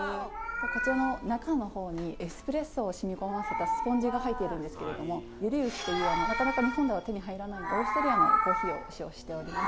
こちらの中の方にエスプレッソを染み込ませたスポンジが入っているんですけれどもユリウスというなかなか日本では手に入らないオーストリアのコーヒーを使用しております。